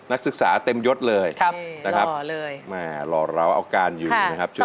นักศึกษาเต็มยดเลยนะครับหล่อเราเอาการอยู่นะครับชุดนี้